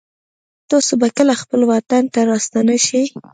تاسو به کله خپل وطن ته راستانه شئ